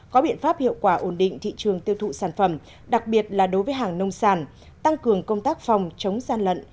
có biện pháp hiệu quả ổn định thị trường tiêu thụ sản phẩm đặc biệt là đối với hàng nông sản tăng cường công tác phòng chống gian lận